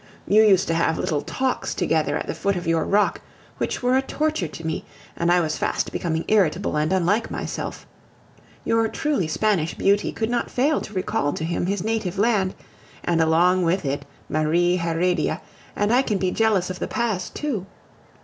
You used to have little talks together at the foot of your rock, which were a torture to me; and I was fast becoming irritable and unlike myself. Your truly Spanish beauty could not fail to recall to him his native land, and along with it Marie Heredia, and I can be jealous of the past too.